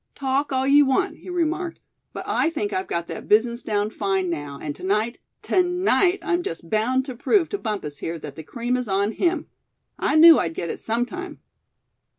"Talk all you want," he remarked; "but I think I've got that business down fine, now; and to night, to night I'm just bound to prove to Bumpus here that the cream is on him. I knew I'd get it sometime."